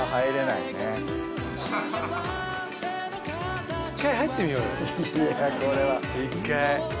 いやこれは。